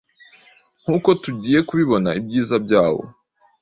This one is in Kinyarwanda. nk’uko tugiye kubibona ibyiza byawo